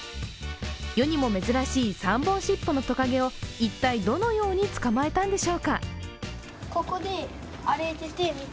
世にも珍しい３本尻尾のとかげを一体どのように捕まえたんでしょうか？